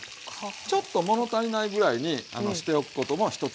ちょっと物足りないぐらいにしておくことも一つのコツですね。